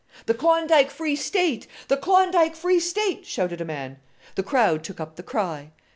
"The Klondike Free State! The Klondike Free State!" shouted a man. The crowd took up the cry.